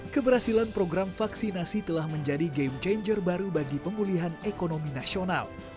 keberhasilan program vaksinasi telah menjadi game changer baru bagi pemulihan ekonomi nasional